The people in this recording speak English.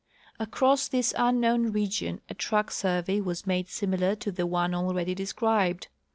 Across this un known region a track survey was made similar to the one already described.